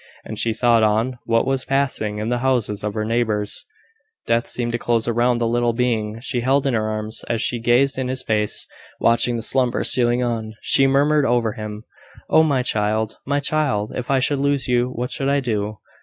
As she thought on what was passing in the houses of her neighbours, death seemed to close around the little being she held in her arms. As she gazed in his face, watching the slumber stealing on, she murmured over him "Oh, my child, my child! if I should lose you, what should I do?"